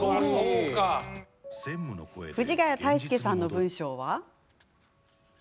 藤ヶ谷太輔さんの文章は。